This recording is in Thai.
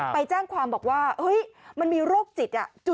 ไปแจ้งความบอกว่ามันมีโรคจิต